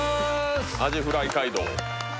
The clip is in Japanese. アジフライ街道